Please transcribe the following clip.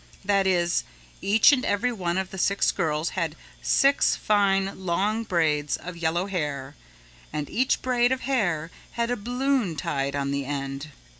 That is, each and every one of the six girls had six fine long braids of yellow hair and each braid of hair had a balloon tied on the end.